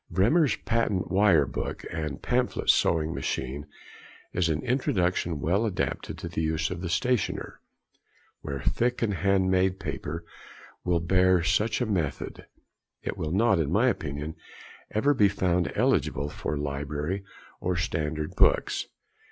Brehmer's patent wire book and pamphlet sewing machine is an introduction well adapted to the use of the stationer, where thick and hand made paper will bear such a method. It will not, in my opinion, ever be found eligible for library or standard books.